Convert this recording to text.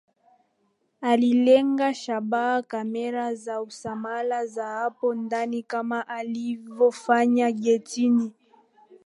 Alilenga shabaha kamera za usalama za hapo ndani kama alivofanya getini